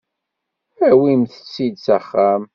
Awimt-tt-id s axxam.